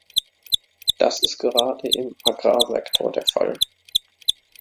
Das ist gerade im Agrarsektor der Fall.